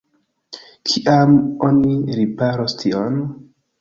Kiam oni riparos tion?